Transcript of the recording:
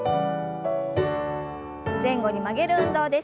前後に曲げる運動です。